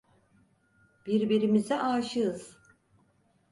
Birbirimize aşığız.